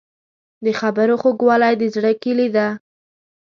د خبرو خوږوالی د زړه کیلي ده.